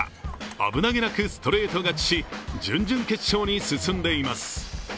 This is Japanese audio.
危なげなくストレート勝ちし、準々決勝に進んでいます。